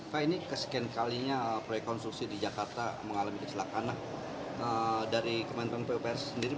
pak ini kesekian kalinya proyek konstruksi di jakarta mengalami kecelakaan dari kementerian pupr sendiri